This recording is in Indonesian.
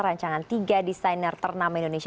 rancangan tiga desainer ternama indonesia